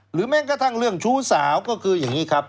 แม้กระทั่งเรื่องชู้สาวก็คืออย่างนี้ครับ